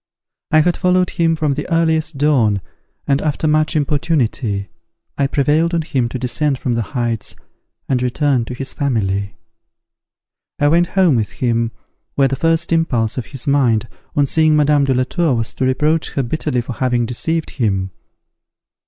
I had followed him from the earliest dawn, and, after much importunity, I prevailed on him to descend from the heights, and return to his family. I went home with him, where the first impulse of his mind, on seeing Madame de la Tour, was to reproach her bitterly for having deceived him.